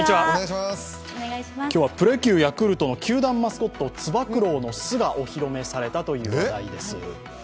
今日はプロ野球ヤクルトの球団マスコットつば九郎の巣がお披露目されたという話題です。